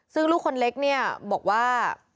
ซึ่งลูกคนเล็กบอกว่า